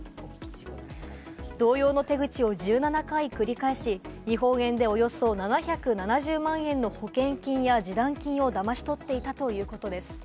同様の手口を１７回繰り返し、日本円でおよそ７７０万円の保険金や示談金をだまし取っていたということです。